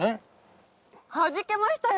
はじけましたよ。